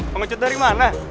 pengecut dari mana